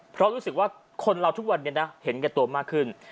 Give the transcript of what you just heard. เพราะรู้สึกว่าคนเราทุกวันนี้นะเห็นแก่ตัวมากขึ้น